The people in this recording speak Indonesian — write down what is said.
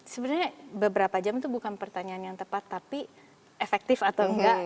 sebenarnya beberapa jam itu bukan pertanyaan yang tepat tapi efektif atau enggak